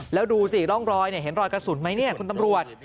แล้วดูสิร่องรอยเห็นรอยกระสุนไหมเนี่ยคุณตำรวจ